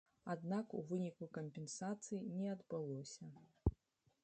Аднак у выніку кампенсацый не адбылося.